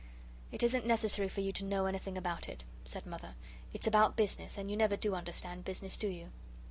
"It isn't necessary for you to know anything about it," said Mother; "it's about business, and you never do understand business, do you?"